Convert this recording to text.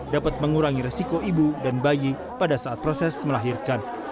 dapat mengurangi resiko ibu dan bayi pada saat proses melahirkan